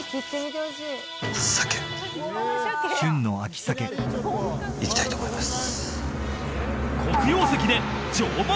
鮭旬の秋鮭いきたいと思います